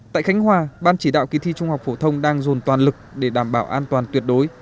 tại khánh hòa ban chỉ đạo kỳ thi trung học phổ thông đang dồn toàn lực để đảm bảo an toàn tuyệt đối